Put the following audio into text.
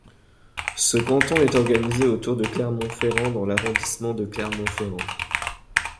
Ce canton est organisé autour de Clermont-Ferrand dans l'arrondissement de Clermont-Ferrand.